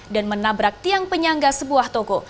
dan menabrak tiang penyangga sebuah toko